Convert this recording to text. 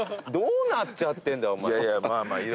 どうなっちゃってんだよお前。